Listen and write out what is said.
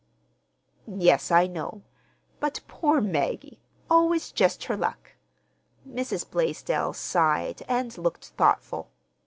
"Yes, I know; but—Poor Maggie! Always just her luck." Mrs. Blaisdell sighed and looked thoughtful.